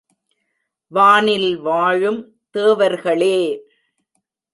வானில் வாழும் தேவர்களே!